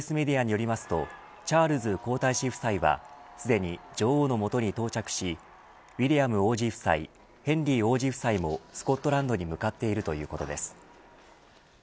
イギリスメディアによりますとチャールズ皇太子夫妻はすでに女王の元に到着しウィリアム王子夫妻ヘンリー王子夫妻もスコットランドに向かっているということです。